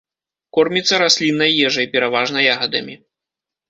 Корміцца расліннай ежай, пераважна ягадамі.